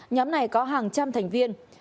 nhóm này có hàng trăm thành viên